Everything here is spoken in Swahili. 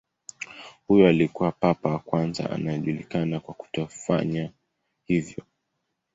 Huyu alikuwa papa wa kwanza anayejulikana kwa kufanya hivyo.